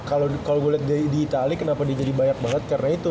kalau gue lihat di itali kenapa dia jadi banyak banget karena itu